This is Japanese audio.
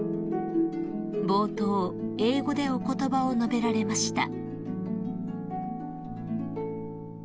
［冒頭英語でお言葉を述べられました］